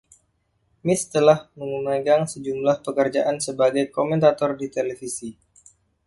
Mitts telah memegang sejumlah pekerjaan sebagai komentator di televisi.